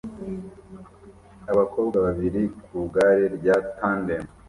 Abakobwa babiri ku igare rya tandem